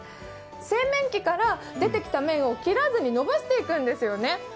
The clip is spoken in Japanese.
製麺機から出てきた麺を切らずに伸ばしていくんですよね。